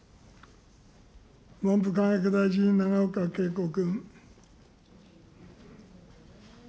文部科学大臣、永岡桂子君。